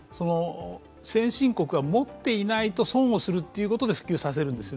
先進国は持っていないと損をするということで普及させるんです。